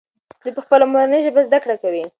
دوی په خپله مورنۍ ژبه زده کړه کوي.